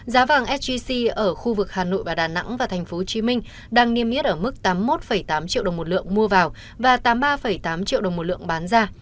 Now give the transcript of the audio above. giá vàng sgc ở khu vực hà nội và đà nẵng và tp hcm đang niêm yết ở mức tám mươi một tám triệu đồng một lượng mua vào và tám mươi ba tám triệu đồng một lượng bán ra